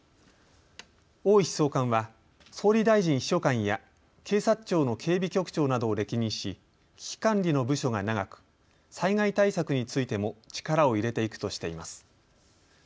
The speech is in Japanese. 大石総監は総理大臣秘書官や警察庁の警備局長などを歴任し危機管理の部署が長く災害対策についても力を入れていくとしています。